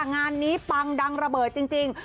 งานนี้ปังดังระเบิดจริง